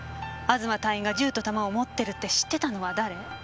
東隊員が銃と弾を持ってるって知ってたのは誰？